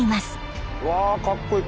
うわかっこいい。